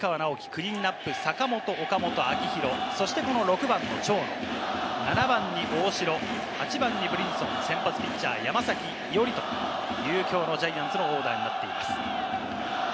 きょうは１番に梶谷、吉川尚輝、クリーンナップ、坂本、岡本、秋広、そして６番・長野、７番に大城、８番にブリンソン、先発ピッチャー・山崎伊織というきょうのジャイアンツのオーダーになっています。